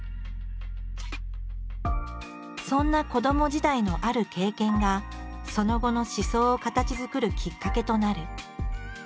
そんな子ども時代のある経験がその後の思想を形づくるきっかけとなる。